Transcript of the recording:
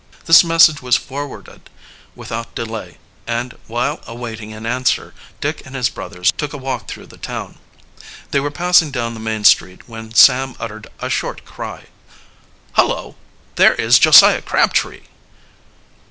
This message was forwarded without delay, and while awaiting an answer Dick and his brothers took a walk through the town. They were passing down the main street when Sam uttered a short cry. "Hullo, there is Josiah Crabtree!"